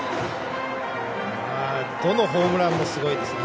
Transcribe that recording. どのホームランもすごいですよね。